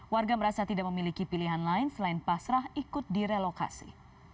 warga merasa tidak memiliki pilihan lain selain pasrah ikut direlokasi